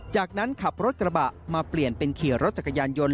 จากนั้นขับรถกระบะมาเปลี่ยนเป็นขี่รถจักรยานยนต์